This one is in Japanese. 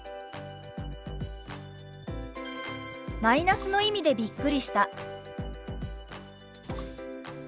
「マイナスの意味でびっくりした」。